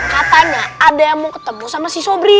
katanya ada yang mau ketemu sama si sobri